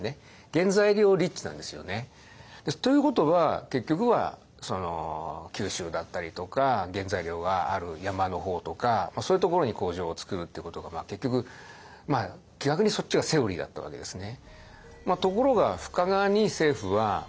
原材料立地なんですよね。ということは結局は九州だったりとか原材料がある山の方とかそういうところに工場をつくるっていうことが結局逆にそっちがセオリーだったわけですね。